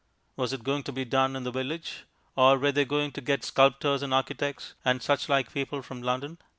Was it going to be done in the village, or were they going to get sculptors and architects and such like people from London?